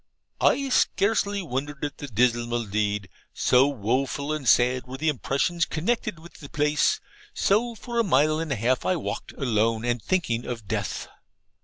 I scarcely wondered at the dismal deed, so woful and sad were the impressions connected with the place. So, for a mile and a half I walked alone and thinking of death.